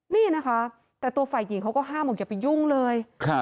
นี่นะคะแต่ตัวฝ่ายหญิงเขาก็ห้ามบอกอย่าไปยุ่งเลย